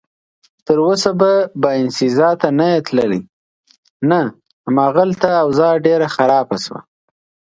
تراوسه به باینسیزا ته نه یې تللی؟ نه، هماغلته اوضاع ډېره خرابه شوه.